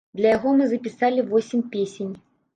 Для яго мы запісалі восем песень.